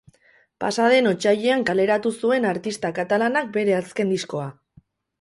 Pasa den otsailean kaleratu zuen artista katalanak bere azken diskoa.